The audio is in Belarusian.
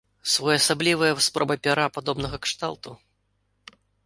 Своеасаблівая спроба пяра падобнага кшталту?